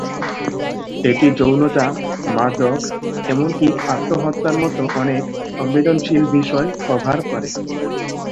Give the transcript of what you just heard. এটি যৌনতা, মাদক, এমনকি আত্মহত্যার মতো অনেক সংবেদনশীল বিষয় কভার করে।